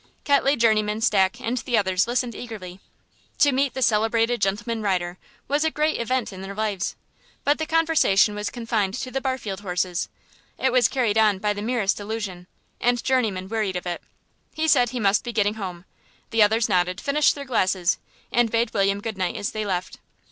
Ketley, Journeyman, Stack, and the others listened eagerly. To meet the celebrated gentleman rider was a great event in their lives. But the conversation was confined to the Barfield horses; it was carried on by the merest allusion, and Journeyman wearied of it. He said he must be getting home; the others nodded, finished their glasses, and bade William good night as they left.